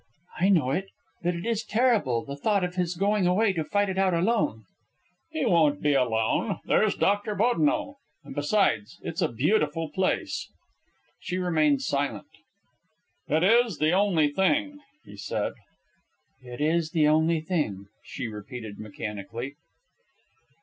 "I know it. But it is terrible, the thought of his going away to fight it out alone." "He won't be alone. There's Doctor Bodineau. And besides, it's a beautiful place." She remained silent. "It is the only thing," he said. "It is the only thing," she repeated mechanically.